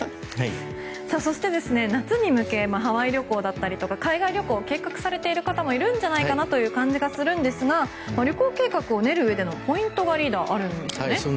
そして、夏に向けハワイ旅行だったり海外旅行を計画されている方もいるんじゃないかなという感じもするんですが旅行計画を練るうえでのポイントリーダーあるんですね。